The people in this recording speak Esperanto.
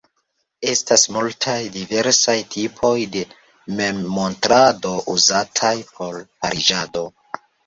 Estas multaj diversaj tipoj de memmontrado uzataj por pariĝado.